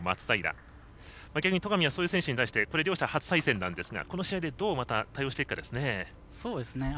戸上はそういう選手に対して両者は初対戦ですがどうまた対応していくかですね。